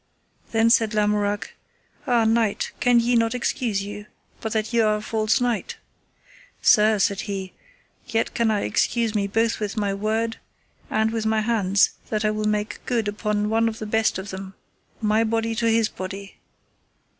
Then said Lamorak: Ah, knight, can ye not excuse you, but that ye are a false knight. Sir, said he, yet can I excuse me both with my word and with my hands, that I will make good upon one of the best of them, my body to his body.